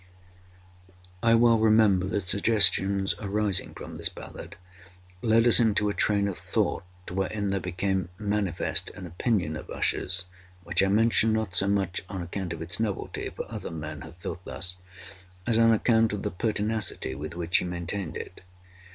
I well remember that suggestions arising from this ballad, led us into a train of thought wherein there became manifest an opinion of Usher's which I mention not so much on account of its novelty, (for other men * have thought thus,) as on account of the pertinacity with which he maintained it.